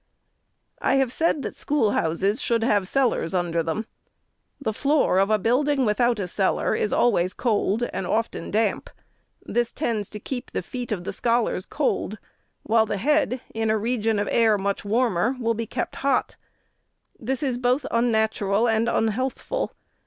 I have said that schoolhouses should have cellars under them. The tioor of a building without a cellar is always cold, and often damp ; this tends to keep the feet of scholars cold, while the head, in a region of air much warmer, will be kept hot. This is both unnatural and unhealthful.